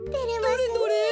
どれどれ？